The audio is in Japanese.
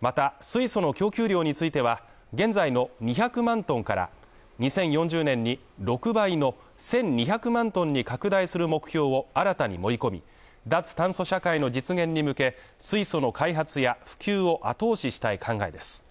また、水素の供給量については、現在の２００万ｔから２０４０年に６倍の１２００万ｔに拡大する目標を新たに盛り込み脱炭素社会の実現に向け、水素の開発や普及を後押ししたい考えです。